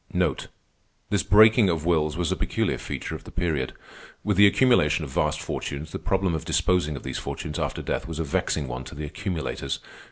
This breaking of wills was a peculiar feature of the period. With the accumulation of vast fortunes, the problem of disposing of these fortunes after death was a vexing one to the accumulators.